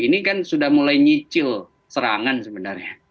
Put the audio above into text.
ini kan sudah mulai nyicil serangan sebenarnya